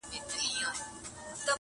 څه غزل غزل راګورې څه ټپه ټپه ږغېږې،